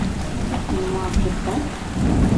— Нумал кертат...